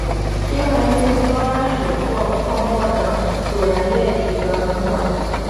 是用来运送高压水或泡沫等阻燃液体的软管。